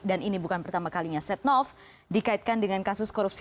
dan ini bukan pertama kalinya setia novanto dikaitkan dengan kasus korupsi